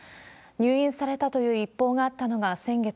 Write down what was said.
入院されたという一報があったのが先月。